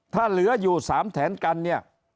ถ้าเหลืออยู่๓แถนกันเนี่ย